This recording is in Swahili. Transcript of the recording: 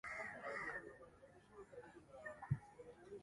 Tulizungumza kuhusu maisha ya familia